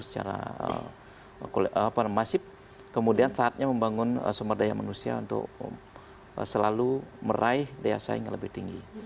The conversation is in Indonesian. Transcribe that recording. secara masif kemudian saatnya membangun sumber daya manusia untuk selalu meraih daya saing yang lebih tinggi